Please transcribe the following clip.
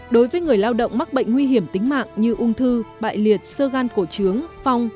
đối với người lao động mắc bệnh nguy hiểm tính mạng như ung thư bại liệt sơ gan cổ trướng phong